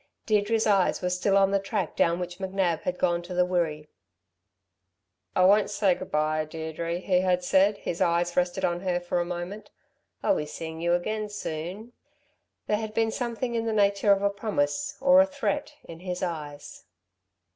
Deirdre's eyes were still on the track down which McNab had gone to the Wirree. "I won't say good bye, Deirdre," he had said, as his eyes rested on her for a moment. "I'll be seein' you again soon." There had been something in the nature of a promise or a threat in his eyes.